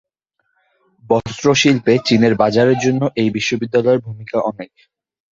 বস্ত্র শিল্পে চীনের বাজারের জন্য এই বিশ্ববিদ্যালয়ের ভূমিকা অনেক।